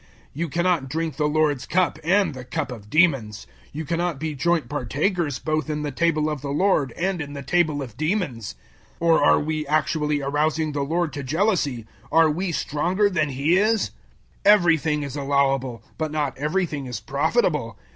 010:021 You cannot drink the Lord's cup and the cup of demons: you cannot be joint partakers both in the table of the Lord and in the table of demons. 010:022 Or are we actually arousing the Lord to jealousy. Are we stronger than He is? 010:023 Everything is allowable, but not everything is profitable.